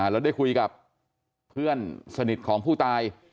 แล้วได้คุยกับเพื่อนสนิทของผู้ตาย